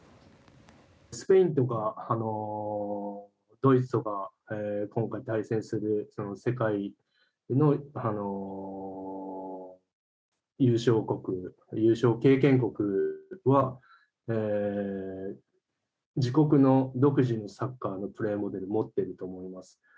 スペインとかドイツとか今回対戦する世界の優勝国優勝経験国は自国の独自のサッカーのプレーモデルを持っていると思います。